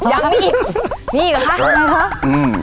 ยังไม่จบ